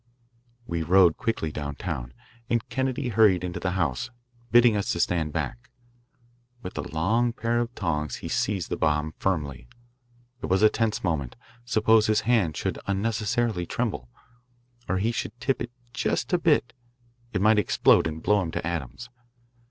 We rode quickly downtown, and Kennedy hurried into the house, bidding us stand back. With a long pair of tongs he seized the bomb firmly. It was a tense moment. Suppose his hand should unnecessarily tremble, or he should tip it just a bit it might explode and blow him to atoms.